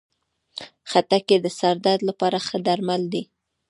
خټکی د سر درد لپاره ښه درمل دی.